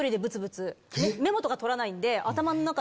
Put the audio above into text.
メモとか取らないんで。